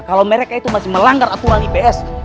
kalau mereka itu masih melanggar aturan ips